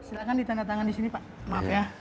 silahkan ditandatangan di sini pak maaf ya